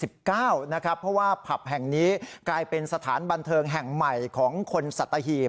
เพราะว่าผับแห่งนี้กลายเป็นสถานบันเทิงแห่งใหม่ของคนสัตหีบ